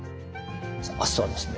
明日はですね